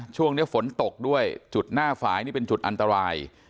ช่วงนี้ฝนตกด้วยจุดหน้าฝ่ายนี่เป็นจุดอันตราย